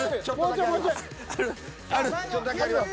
ちょっとだけあります。